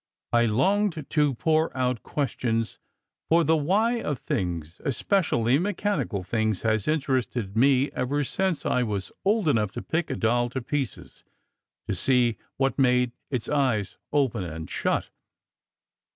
I longed to pour out questions, for the "why" of things, es pecially mechanical things, has interested me ever since I was old enough to pick a doll to pieces, to see what made its eyes open and shut.